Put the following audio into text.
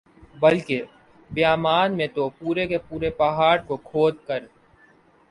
بلکہ بامیان میں تو پورے کے پورے پہاڑ کو کھود کر